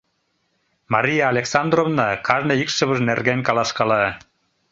Мария Александровна кажне икшывыж нерген каласкала.